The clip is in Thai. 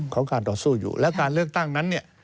ของการต่อสู้อยู่แล้วการเลือกตั้งนั้นเนี่ย